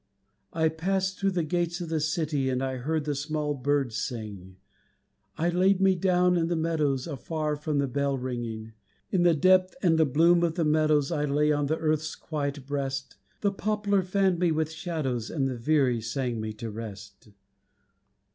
I passed through the gates of the city, And I heard the small birds sing, I laid me down in the meadows Afar from the bell ringing. In the depth and the bloom of the meadows I lay on the earth's quiet breast, The poplar fanned me with shadows, And the veery sang me to rest.